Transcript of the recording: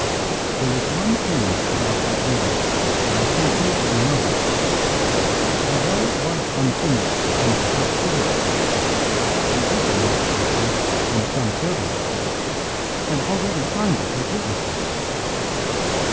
There was one thing about that will that I think nobody noticed: although it was unfinished and without signature, the other Miss Stacey and some servant of hers had already signed it as witnesses.